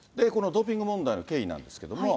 このドーピング問題の経緯なんですけれども。